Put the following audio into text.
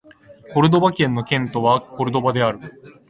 コルドバ県の県都はコルドバである